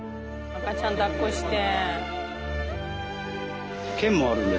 赤ちゃんだっこして。